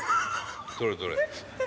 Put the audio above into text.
どれどれ？